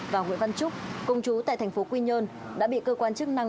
và nguyễn văn trúc công chú tại thành phố quy nhơn đã bị cơ quan chức năng